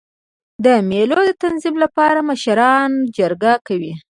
د مېلو د تنظیم له پاره مشران جرګه کوي.